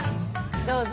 どうぞ。